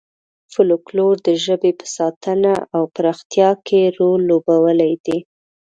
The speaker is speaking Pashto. فولکلور د ژبې په ساتنه او پراختیا کې رول لوبولی دی.